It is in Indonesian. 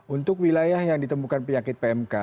untuk wilayah yang ditemukan penyakit pmk